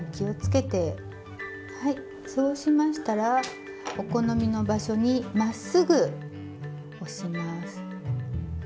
はいそうしましたらお好みの場所にまっすぐ押します。